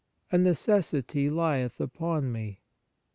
A necessity lieth upon me.